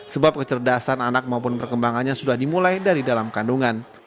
sebab kecerdasan anak maupun perkembangannya sudah dimulai dari dalam kandungan